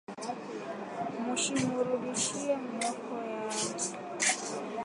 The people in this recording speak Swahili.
Mushimurudishiye mioko na minji eko na ya mingi kwake